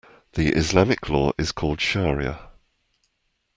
The Islamic law is called shariah.